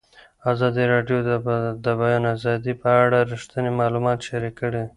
ازادي راډیو د د بیان آزادي په اړه رښتیني معلومات شریک کړي.